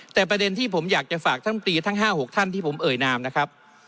ที่ผมอยากจะฝากท่านอมตรีทั้ง๕๖ท่านที่ผมเอ่ยนามนะครับ